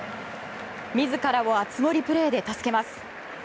自らを熱盛プレーで助けます。